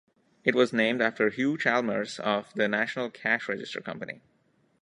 It was named after Hugh Chalmers of the National Cash Register Company.